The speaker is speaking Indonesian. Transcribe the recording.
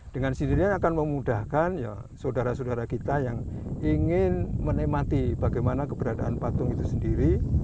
dengan sendirian akan memudahkan ya sodara sodara kita yang ingin menikmati bagaimana keberadaan patung itu sendiri